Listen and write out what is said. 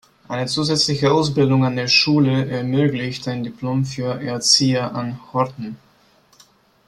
Eine zusätzliche Ausbildung an der Schule ermöglicht ein Diplom für Erzieher an Horten.